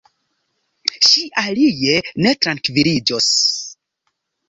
Ŝi alie ne trankviliĝos.